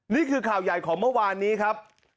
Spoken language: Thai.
นี่คือข่าวใหญ่ของเมื่อวานนี้ครับ